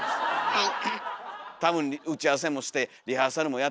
はい。